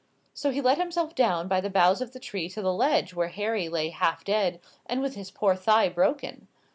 So he let himself down by the boughs of the trees to the ledge where Harry lay half dead, and with his poor thigh broken.